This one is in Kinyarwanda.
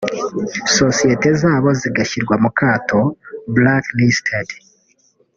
sosiyete zabo zigashyirwa mu kato (blacklisted)